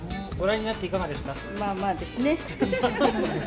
まあまあですね。